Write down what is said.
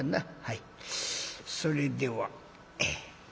はいそれでは。